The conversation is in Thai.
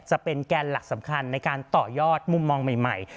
จะเป็นแกนหลักสำคัญในการต่อยอดมุมมองใหม่